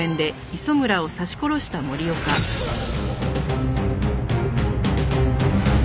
うっ！